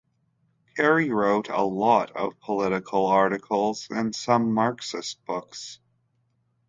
Kerry wrote a lot of political articles and some Marxist books.